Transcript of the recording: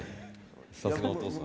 さすがお父さん。